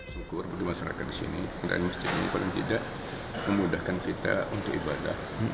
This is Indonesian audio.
syukur bagi masyarakat di sini keberadaan masjid cengho ini paling tidak memudahkan kita untuk ibadah